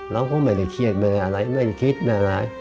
เราก็ไม่ได้เครียดไม่ได้อะไรไม่ได้คิดไม่อะไร